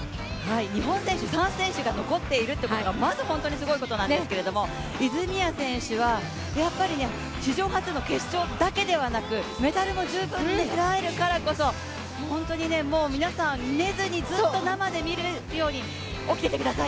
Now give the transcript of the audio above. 日本選手３選手が残っていることが、まずすごいことなんですけど泉谷選手はやっぱり史上初の決勝だけではなくメダルも十分狙えるからこそ、本当に皆さん寝ずにずっと生で見るように、起きててくださいね。